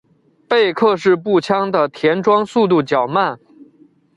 贝克式步枪的填装速度较慢。